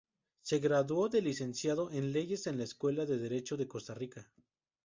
Se graduó de Licenciado en leyes en la Escuela de Derecho de Costa Rica.